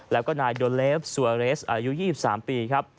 แล้วก็นายโดเลฟสัวเลสอายุ๒๓ปี